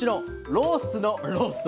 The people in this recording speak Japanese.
ロースのロースト？